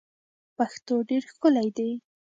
پښتو ډیر ښکلی دی.